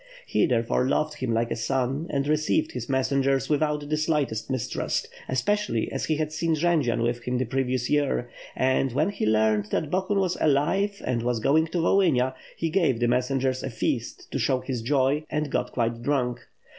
He, therefore, loved him like a son and received his messengers without the slightest mistrust, especially as he had seen Jendzian with him the previous year; and, when he learned that Bohun was alive and was going to Volhynia, he gave the messengers a feast to show his joy, and got quite drunk.